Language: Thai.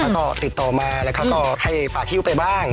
แล้วก็ติดต่อมาแล้วเขาก็ให้ฝากฮิ้วไปบ้าง